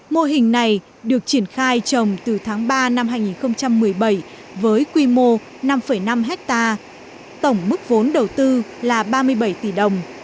mô hình này được triển khai trồng từ tháng ba năm hai nghìn một mươi bảy với quy mô năm năm hectare tổng mức vốn đầu tư là ba mươi bảy tỷ đồng